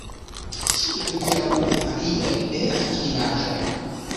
Ĉiuj hodiaŭaj varioj estas kultivaĵoj.